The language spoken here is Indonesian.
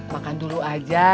makan dulu aja